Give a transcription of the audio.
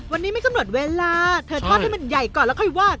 วันนี้ไม่กำหนดเวลาเธอทอดให้มันใหญ่ก่อนแล้วค่อยวาด